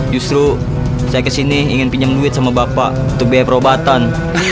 justru saya kesini ingin pinjam duit sama bapak untuk biaya perobatan